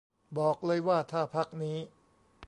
บอกเลยว่า ถ้าพรรคนี้